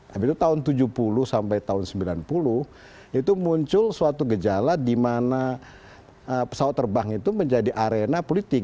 tapi itu tahun seribu sembilan ratus tujuh puluh sampai tahun seribu sembilan ratus sembilan puluh itu muncul suatu gejala di mana pesawat terbang itu menjadi arena politik